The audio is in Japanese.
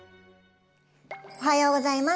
おはようございます。